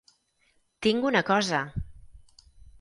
Tinc una cosa!